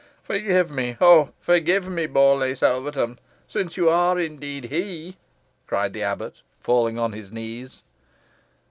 "Forgive me! oh, forgive me! Borlace Alvetham, since you are, indeed, he!" cried the abbot, falling on his knees.